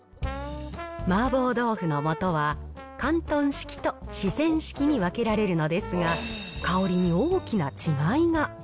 麻婆豆腐の素は、広東式と四川式に分けられるのですが、香りに大きな違いが。